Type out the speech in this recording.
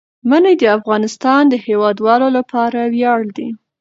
منی د افغانستان د هیوادوالو لپاره ویاړ دی.